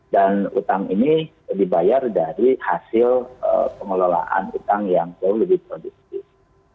dan utang ini dibayar dari hasil pengelolaan utang yang jauh lebih produktif